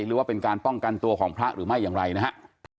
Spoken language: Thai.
หรือว่าเป็นการป้องกันตัวของพระหรือไม่อย่างไรนะครับ